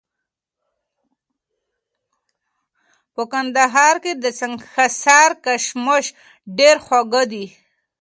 په کندهار کي د سنګحصار کشمش ډېر خواږه دي